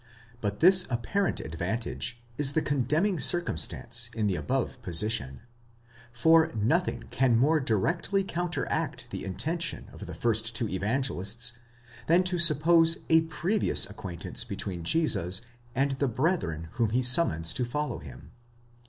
But this apparent advantage is the conaemning cir cumstance in the above position: for nothing can more directly counteract the intention of the first two Evangelists, than to suppose a previous acquaint ance between Jesus and the brethren whom he summons to follow him.